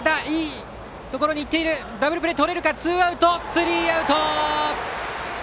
スリーアウト！